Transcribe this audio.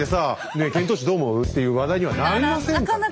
「ねえ遣唐使どう思う？」っていう話題にはなりませんからね。